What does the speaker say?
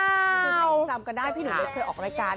คุณแม่งจำกันได้พี่หนูเคยออกรายการ